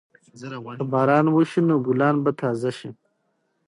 که باران وشي نو ګلان به تازه شي.